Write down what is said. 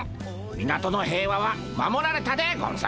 港の平和は守られたでゴンス。